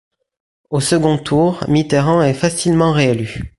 Au second tour, Mitterrand est facilement réélu.